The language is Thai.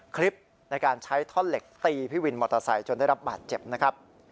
คลิปในการใช้ท่อนเหล็กตีพี่วินมอเตอร์ไซค์จนได้รับบาดเจ็บนะครับ